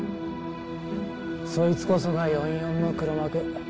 そいつこそが４４の黒幕。